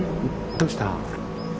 どうした？